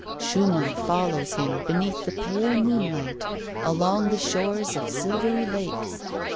Schumann follows him, beneath the pale moonlight, along the shores of silvery lakes.